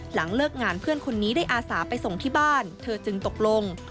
หลังเลิกงานเพื่อนคนนี้ได้อาสาไปส่งที่บ้านเธอจึงตกลง